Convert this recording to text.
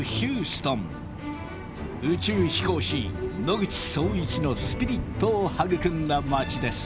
宇宙飛行士野口聡一のスピリットを育んだ街です。